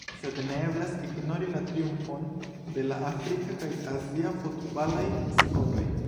Sed ne eblas ignori la triumfon de la afrika kaj azia futbalaj skoloj.